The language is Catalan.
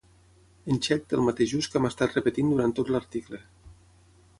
En txec té el mateix ús que hem estat repetint durant tot l'article.